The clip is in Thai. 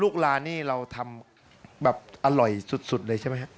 ลูกลานนี่เราทำอร่อยสุดเลยใช่ไหมครับ